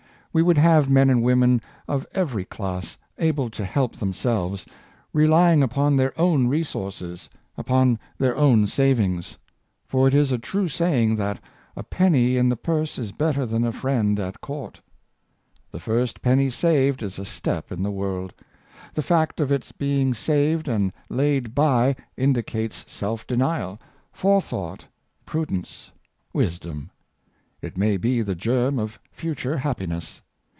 We would have men and women of every class able to help themselves — relying upon their own resources — upon their own savings; for it is a true say ing that '' a penny in the purse is better than a friend at court." The first penny saved is a step in the world. The fact of its being saved and laid by indicates self denial, forethought, prudence, wisdom. It may be the germ of future happiness.